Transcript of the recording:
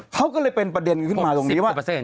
เขาก็เลยเป็นประเด็นขึ้นมาตรงนี้ว่า